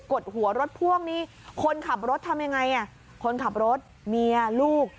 ดหัวรถพ่วงนี่คนขับรถทำยังไงอ่ะคนขับรถเมียลูก